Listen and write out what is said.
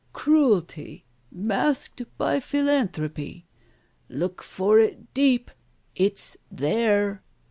Cruelty — masked by Philanthropy! Look for it deep — it's there !